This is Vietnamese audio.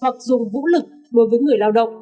hoặc dùng vũ lực đối với người lao động